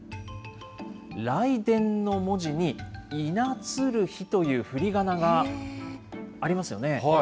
雷電の文字にイナツルヒというふりがながありますよね。